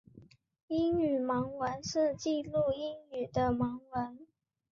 英语盲文是记录英语的盲文。